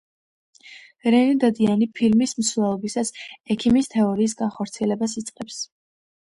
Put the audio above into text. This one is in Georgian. რენე დადიანი ფილმის მსვლელობისას ექიმის თეორიის განხორციელებას იწყებს.